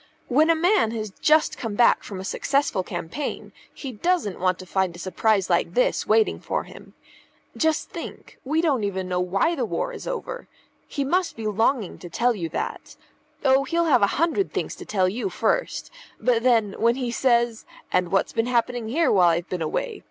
"When a man has just come back from a successful campaign, he doesn't want to find a surprise like this waiting for him. Just think we don't even know why the war is over he must be longing to tell you that. Oh, he'll have a hundred things to tell you first; but then, when he says 'And what's been happening here while I've been away?